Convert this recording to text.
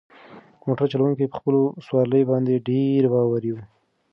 موټر چلونکی په خپلو سوارلۍ باندې ډېر باوري و.